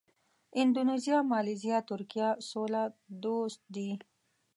اندونیزیا، مالیزیا، ترکیه سوله دوست دي.